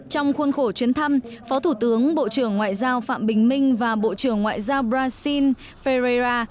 trong khuôn khổ chuyến thăm phó thủ tướng bộ trưởng ngoại giao phạm bình minh và bộ trưởng ngoại giao brazil ferrera